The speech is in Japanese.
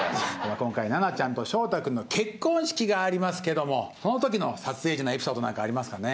今回菜奈ちゃんと翔太君の結婚式がありますけどもその時の撮影時のエピソードなんかありますかね？